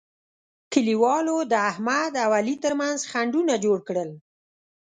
کلیوالو د احمد او علي ترمنځ خنډونه جوړ کړل.